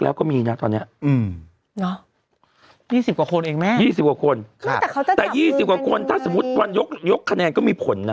แต่๒๐กว่าคนถ้าสมมติว่ายกคะแนนก็มีผลนะ